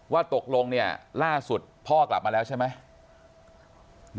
ว่าตกลงเนี่ยล่าสุดพ่อกลับมาแล้วใช่ไหม